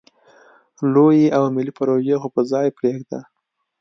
لویې او ملې پروژې خو په ځای پرېږده.